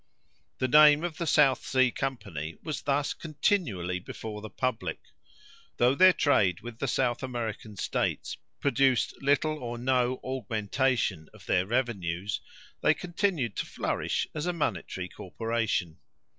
The name of the South Sea Company was thus continually before the public. Though their trade with the South American States produced little or no augmentation of their revenues, they continued to flourish as a monetary corporation.